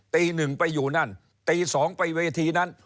ตีหนึ่งไปอยู่นั่นตี๒ไปเวทีนั้น